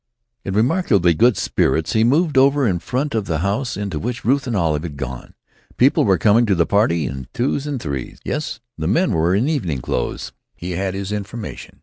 In remarkably good spirits he moved over in front of the house into which Ruth and Olive had gone. People were coming to the party in twos and threes. Yes. The men were in evening clothes. He had his information.